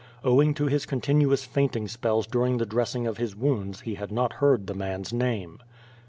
Owing to his continuous faint ing spells during the dressing of his wounds he had not heard the man's name.